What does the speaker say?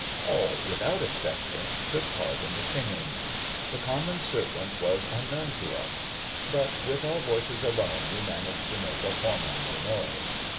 All, without exception, took part in the singing. The common serpent was unknown to us; but with our voices alone we managed to make a formidable noise.